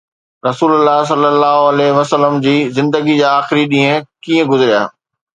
رسول الله ﷺ جي زندگيءَ جا آخري ڏينهن ڪيئن گذريا؟